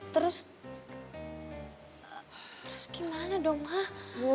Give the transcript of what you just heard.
terus gimana dong ma